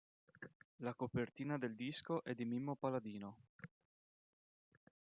La copertina del disco è di Mimmo Paladino.